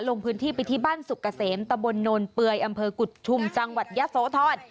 ลงพื้นที่ไปที่บ้านสุกเกษมตะบนโนนเปลือยอำเภอกุฎชุมจังหวัดยะโสธร